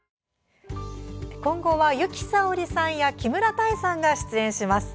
今後は、由紀さおりさんや木村多江さんが出演します。